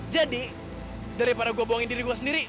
jadi daripada gue buangin diri gue sendiri